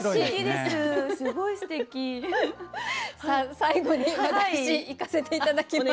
最後に私いかせて頂きます。